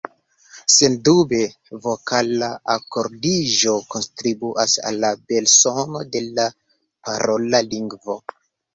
Sendube vokala akordiĝo kontribuas al la belsono de la parola lingvo.